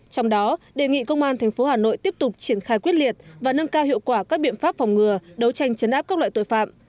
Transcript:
trong đó đề nghị công an tp hà nội tiếp tục triển khai quyết liệt và nâng cao hiệu quả các biện pháp phòng ngừa đấu tranh chấn áp các loại tội phạm